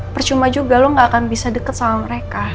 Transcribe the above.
percuma juga lo gak akan bisa deket sama mereka